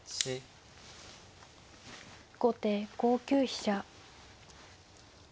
後手５九飛車。